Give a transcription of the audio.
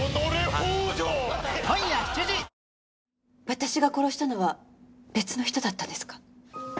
私が殺したのは別の人だったんですか？